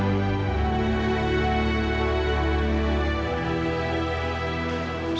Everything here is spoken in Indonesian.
aku ingin tahu kamu